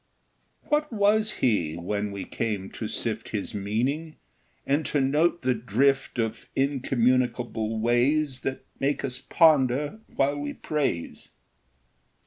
What was he, when we came to sift His meaning, and to note the drift Of incommunicable ways That make us ponder while we praise?